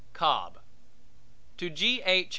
Cobb To G. H.